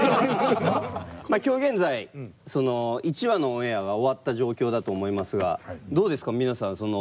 今日現在その１話のオンエアが終わった状況だと思いますがどうですか？